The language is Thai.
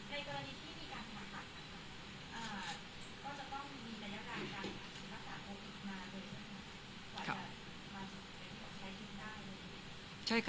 ในกรณีที่มีการผ่าตัดนะคะอ่าก็จะต้องมีกระยะการการรักษาโควิดมาเลยใช่ไหมคะ